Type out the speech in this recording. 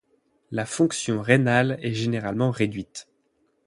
La fonction rénale est généralement réduite.